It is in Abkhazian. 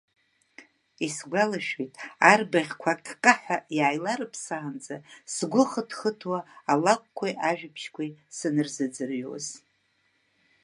Исгәалашәоит арбаӷьқәа аккаҳәа иааиларыԥсаанӡа, сгәы хыҭ-хыҭуа алакәқәеи ажәабжьқәеи санырзыӡырҩуаз.